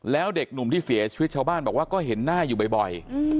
แล้วเด็กหนุ่มที่เสียชีวิตชาวบ้านบอกว่าก็เห็นหน้าอยู่บ่อย